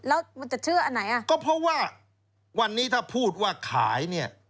แล้วมันจะเชื่ออันไหนอ่ะก็เพราะว่าวันนี้ถ้าพูดว่าขายเนี่ย